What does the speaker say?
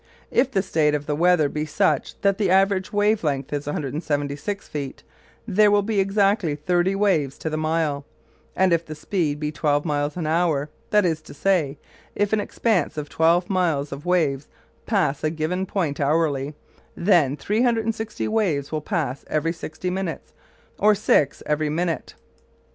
If the state of the weather be such that the average wave length is 176 feet there will be exactly thirty waves to the mile, and if the speed be twelve miles an hour that is to say, if an expanse of twelve miles of waves pass a given point hourly then 360 waves will pass every sixty minutes, or six every minute.